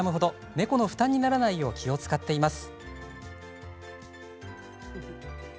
猫の負担にならないよう気を遣っています。